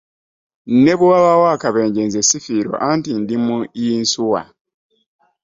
Ne bwe wabaawo akabenje nze ssifiirwa anti ndi mu yinsuwa.